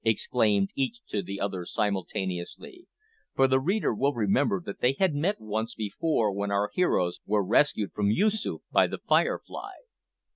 exclaimed each to the other simultaneously, for the reader will remember that they had met once before when our heroes were rescued from Yoosoof by the "Firefly."